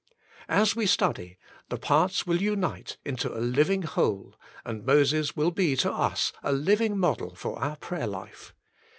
As we study, the parts will unite into a living whole and Moses will be to us a living model for our prayer life.